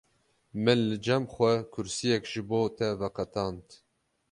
Min li cem xwe kursiyek ji bo te veqetand.